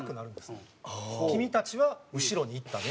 君たちは後ろに行ったね。